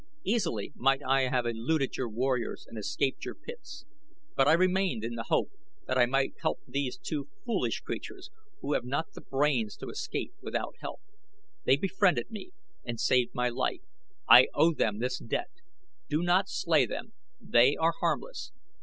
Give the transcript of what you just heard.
Easily might I have eluded your warriors and escaped your pits; but I remained in the hope that I might help these two foolish creatures who have not the brains to escape without help. They befriended me and saved my life. I owe them this debt. Do not slay them they are harmless.